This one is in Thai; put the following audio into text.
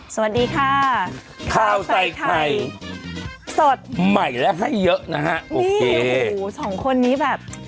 สวัสดีค่ะข้าวใส่ไข่สดใหม่และให้เยอะนะฮะนี่โอ้โหสองคนนี้แบบ